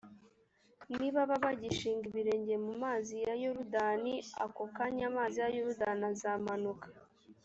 nibaba bagishinga ibirenge mu mazi ya yorudani, ako kanya amazi ya yorudani azamanuka